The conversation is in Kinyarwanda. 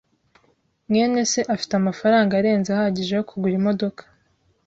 mwene se afite amafaranga arenze ahagije yo kugura imodoka.